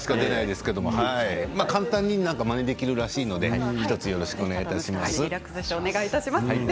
簡単にまねできるらしいので１つよろしくお願いします。